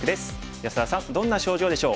安田さんどんな症状でしょう？